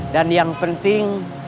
dan yang penting